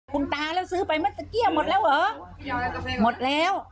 คุณตาแล้วซื้อไปเมื่อตะเกี้ยหมดแล้วเหรอหมดแล้ว